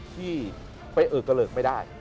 ที่ไปเอิกกระเหลิกไม่ได้